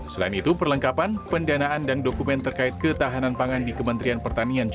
selain itu perlengkapan pendanaan dan dokumen terkait ketahanan pangan di kementerian pertanian